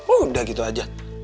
udah gitu aja